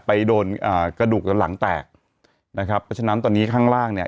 ไปโดนกระดูกตัวหลังแตกนะครับฉะนั้นตอนนี้ข้างล่างเนี่ย